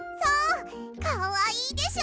かわいいでしょ。